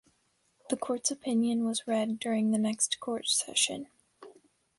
The Court's opinion was read during the next Court session.